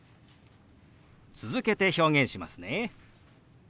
続けて表現しますね。